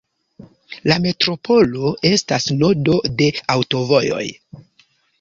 La metropolo estas nodo de aŭtovojoj.